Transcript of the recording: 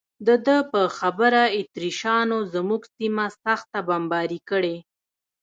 د ده په خبره اتریشیانو زموږ سیمه سخته بمباري کړې.